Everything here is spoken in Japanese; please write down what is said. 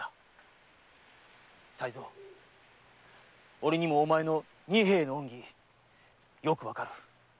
俺にもお前の仁兵衛への恩義よくわかる。